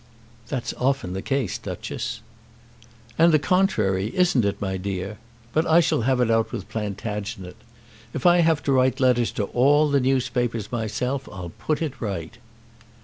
"That's often the case, Duchess." "And the contrary; isn't it, my dear? But I shall have it out with Plantagenet. If I have to write letters to all the newspapers myself, I'll put it right."